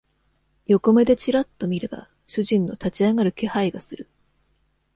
横目でちらっと見れば、主人の立ち上がる気配がする。